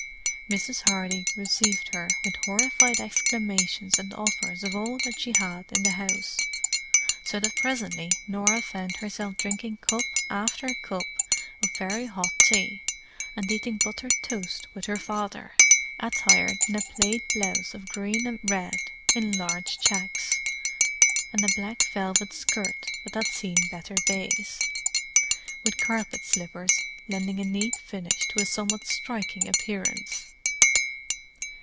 Mrs. Hardy received her with horrified exclamations and offers of all that she had in the house: so that presently Norah found herself drinking cup after cup of very hot tea and eating buttered toast with her father—attired in a plaid blouse of green and red in large checks, and a black velvet skirt that had seen better days; with carpet slippers lending a neat finish to a somewhat striking appearance.